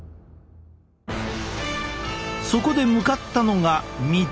そこで向かったのが水戸。